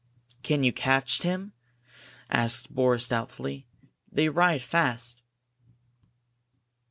"Can you catch them?" asked Boris, doubtfully. "They ride fast."